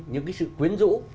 những cái sự quyến rũ